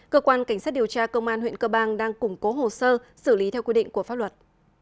cơ quan cảnh sát điều tra công an huyện cơ bang đang củng cố hồ sơ xử lý theo quy định của pháp luật